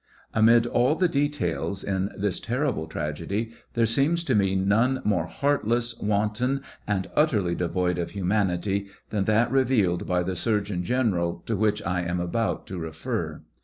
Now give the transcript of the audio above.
Amid all the details in this terrible tragedy, there seems to me none more heartless, wanton and Utterly devoid of humanity, than that revealed by the surgeon general, to which I am about to refer.